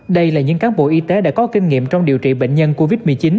đây là những cán bộ y tế đã có kinh nghiệm trong điều trị bệnh nhân covid một mươi chín